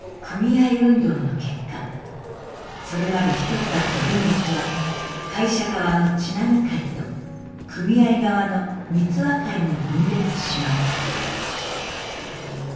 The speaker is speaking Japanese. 組合運動の結果それまで一つだった文楽が会社側の因会と組合側の三和会に分裂します。